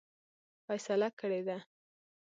فیصله کړې ده.